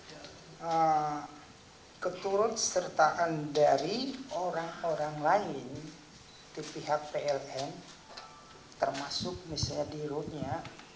ya keturut sertaan dari orang orang lain di pihak pln termasuk misalnya di rohnya